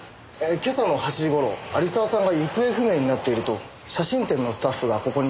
今朝の８時頃有沢さんが行方不明になっていると写真展のスタッフがここに来まして。